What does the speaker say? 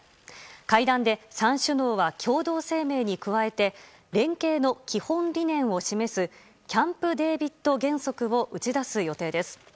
会談で３首脳は共同声明に加えて連携の基本理念を示すキャンプ・デービッド原則を打ち出す予定です。